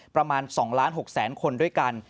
ประมาณ๒๖๐๐๐คนด้วยกัน